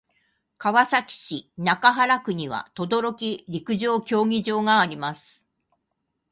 川崎市中原区には等々力陸上競技場があります。